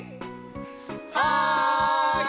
はい！